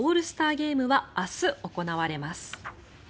ゲームは明日、行われます。